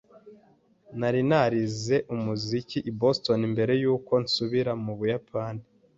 Nari narize umuziki i Boston mbere yuko nsubira mu Buyapani.